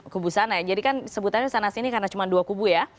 kubu sana ya jadi kan sebutannya sana sini karena cuma dua kubu ya